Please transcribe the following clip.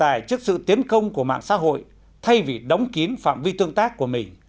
để tồn tại trước sự tiến công của mạng xã hội thay vì đóng kín phạm vi tương tác của mình